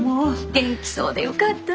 元気そうでよかった！